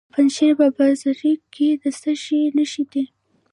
د پنجشیر په بازارک کې د څه شي نښې دي؟